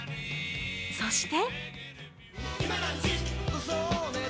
そして。